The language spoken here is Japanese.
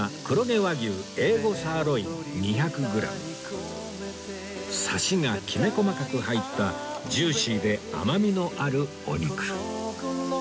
徳さんはサシがきめ細かく入ったジューシーで甘みのあるお肉